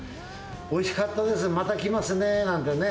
おいしかったです、また来ますねーなんてね、